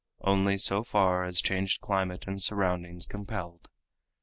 Only so far as changed climate and surrounding's compelled.